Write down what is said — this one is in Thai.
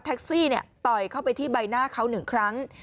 แท็กซี่ต่อยเข้าไปที่ใบหน้าเขาหนึ่งครั้ง